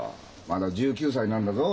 まだ１９歳なんだぞ。